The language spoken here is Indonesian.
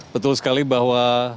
betul sekali bahwa